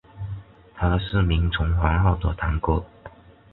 他是明成皇后的堂哥。